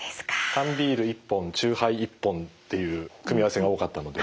缶ビール１本酎ハイ１本という組み合わせが多かったので。